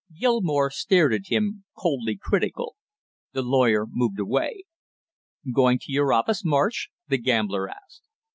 Gilmore stared at him, coldly critical. The lawyer moved away. "Going to your office, Marsh?" the gambler asked.